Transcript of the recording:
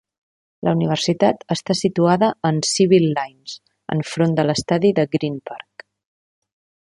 La universitat està situada en Civil Lines, enfront de l'estadi de Green Park.